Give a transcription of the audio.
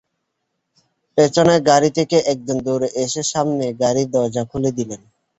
পেছনের গাড়ি থেকে একজন দৌড়ে এসে সামনের গাড়ির দরজা খুলে দিলেন।